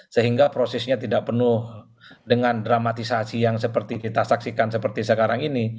sehingga prosesnya tidak penuh dengan dramatisasi yang seperti kita saksikan seperti sekarang ini